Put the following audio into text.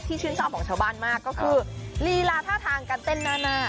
ชื่นชอบของชาวบ้านมากก็คือลีลาท่าทางการเต้นหน้า